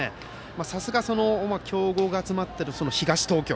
さすが強豪が集まっている東東京。